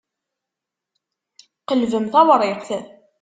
Qelbem tawṛiqt.